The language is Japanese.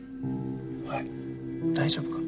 おい大丈夫か？